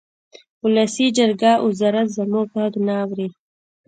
ولسي جرګه او وزارت زموږ غږ نه اوري